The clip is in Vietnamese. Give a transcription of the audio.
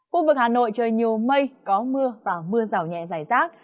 khu vực hà nội trời nhiều mây có mưa và mưa rào nhẹ dài rác